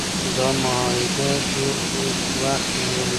دا معاهده ډیر اوږد وخت ونیو.